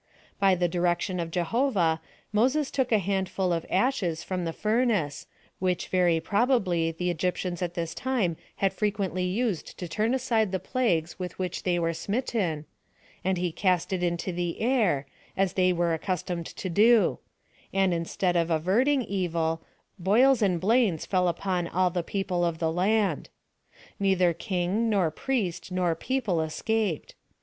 By the di rection of Jehovah, Moses took a handful of ashes from the furnace, (which very probably, the Egyp tians at this time had frequently used to turn aside the plagues with which they were smitten) and lie cast it into the air, as they were accustomed to do ; and instead of averting evil, boils and blains fell upon all the people of the land. Neither king, nor priest, nor people, escaped.